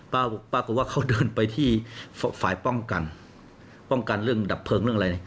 ปรากฏว่าเขาเดินไปที่ฝ่ายป้องกันป้องกันเรื่องดับเพลิงเรื่องอะไรเนี่ย